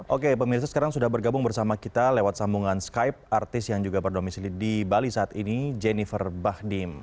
oke pemirsa sekarang sudah bergabung bersama kita lewat sambungan skype artis yang juga berdomisili di bali saat ini jennifer bahdim